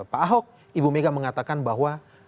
pak ahok ibu mega mengatakan bahwa